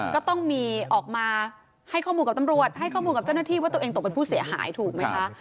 ก็ต้องมีออกมาให้ข้อมูลกับตำรวจให้ข้อมูลกับเจ้าหน้าที่ว่าตัวเองตกเป็นผู้เสียหายถูกไหมคะ